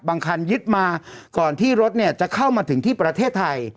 คันยึดมาก่อนที่รถเนี่ยจะเข้ามาถึงที่ประเทศไทย